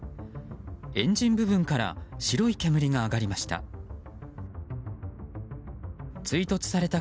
エンジン部分から白い煙が上がりました。